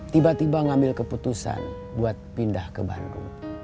tiba tiba ngambil keputusan buat pindah ke bandung